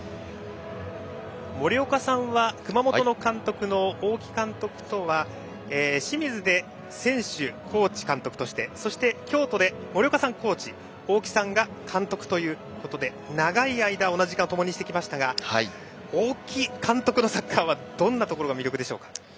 森岡さんは熊本の監督の大木監督とは清水で選手、コーチ、監督としてそして、京都で森岡さんがコーチ大木さんが監督ということで長い間同じ時間を共にしてきましたが大木監督のサッカーはどんなところが魅力でしょうか？